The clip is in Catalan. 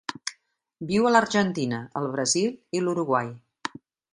Viu a l'Argentina, el Brasil i l'Uruguai.